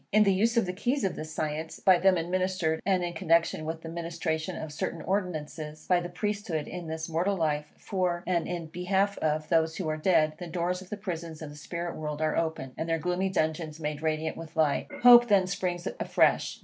In the use of the keys of this science, by them administered, and in connexion with the ministration of certain ordinances, by the Priesthood in this mortal life, for, and in behalf of, those who are dead, the doors of the prisons of the spirit world are opened, and their gloomy dungeons made radiant with light. Hope then springs afresh.